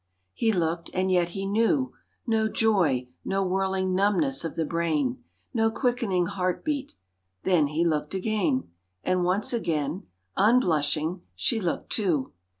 He looked and yet he knew No joy, no whirling numbness of the brain, No quickening heart beat. Then he looked again, And once again, unblushing, she looked too.